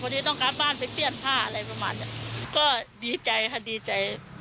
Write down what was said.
ดีใจค่ะ